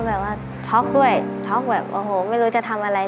แบบว่าช็อกด้วยช็อกแบบโอ้โหไม่รู้จะทำอะไร